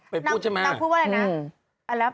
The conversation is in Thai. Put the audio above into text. นางพูดว่าอะไรนะ